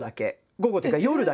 午後というか夜だけ。